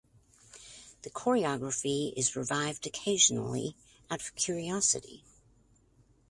The choreography is revived occasionally out of curiosity.